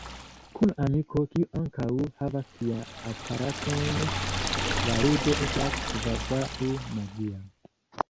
Kun amiko, kiu ankaŭ havas tian aparaton, la ludo estas kvazaŭ magia.